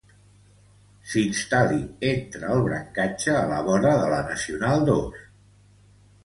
S'instal·li entre el brancatge, a la vora de la nacional dos.